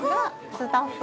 スタッフ。